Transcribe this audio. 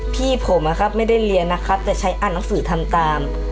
พี่ผมไม่ได้เรียนนะครับแต่ใช้อ่านหนังสือทำตาม